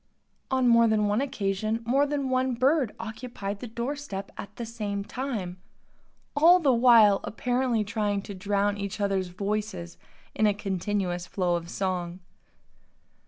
On more than one occasion more than one bird occupied the door step at the same time, all the while apparently trying to drown each others' voices in a continuous flow of song.